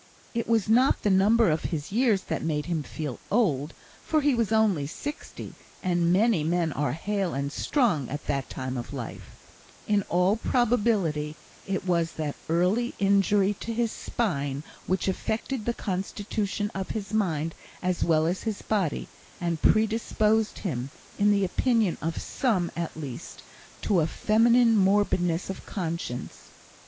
It was not the number of his years that made him feel old, for he was only sixty, and many men are hale and strong at that time of life; in all probability, it was that early injury to his spine which affected the constitution of his mind as well as his body, and predisposed him, in the opinion of some at least, to a feminine morbidness of conscience.